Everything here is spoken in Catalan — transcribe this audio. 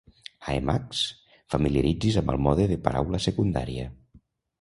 A Emacs, familiaritzi's amb el mode de paraula secundària.